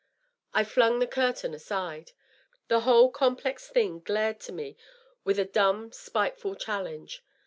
I flung the curtain aside. The whole complex thing glared to me with a dumb, spiteful challenge.